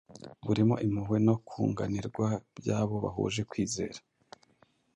burimo impuhwe no kunganirwa by’abo bahuje kwizera.